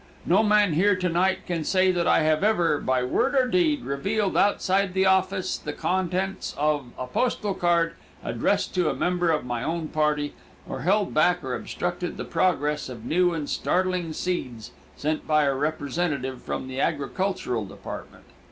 No man here to night can say that I have ever, by word or deed, revealed outside the office the contents of a postal card addressed to a member of my own party or held back or obstructed the progress of new and startling seeds sent by our representative from the Agricultural Department.